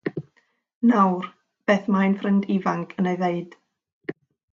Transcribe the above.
Nawr, beth mae ein ffrind ifanc yn ei ddweud?